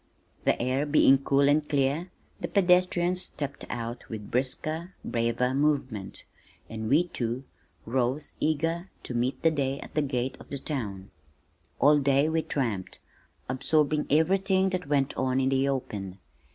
The air being cool and clear, the pedestrians stepped out with brisker, braver movement, and we, too, rose eager to meet the day at the gate of the town. All day we tramped, absorbing everything that went on in the open.